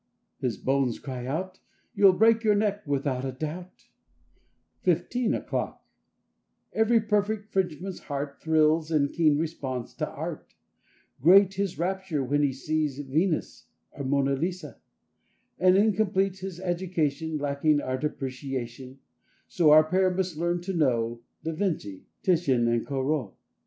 His bonne cries out— "You'll break your neck without a doubt!" 33 . I A FOURTEEN O'CLOCK 35 FIFTEEN O'CLOCK E very perfect Frenchman's heart Thrills in keen response to Art. Great his rapture when he sees a Venus or a Mona Lisa; And incomplete his education Lacking Art Appreciation. So our pair must learn to know Da Vinci, Titian and Corot.